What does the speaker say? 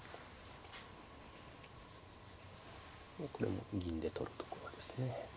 これも銀で取るところですね。